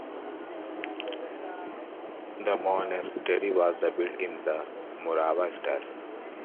The monastery was built in the Morava Style.